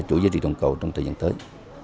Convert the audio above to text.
chuỗi giá trị toàn cầu trong thời gian tới